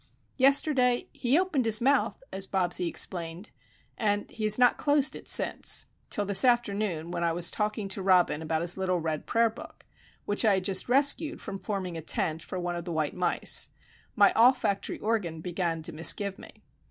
Yesterday "he opened his mouth," as Bobsie explained, and he has not closed it since;—till, this afternoon, when I was talking to Robin about his little red prayer book,—which I had just rescued from forming a tent for one of the white mice,—my olfactory organ began to misgive me.